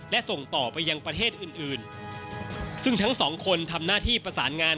และส่งต่อไปยังประเทศอื่น